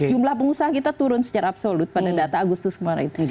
jumlah pengusaha kita turun secara absolut pada data agustus kemarin itu